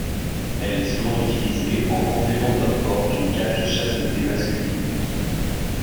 Elle est souvent utilisée en complément du port d'une cage de chasteté masculine.